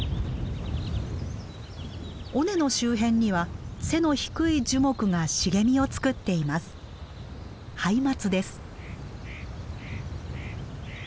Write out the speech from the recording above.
尾根の周辺には背の低い樹木が茂みを作っています。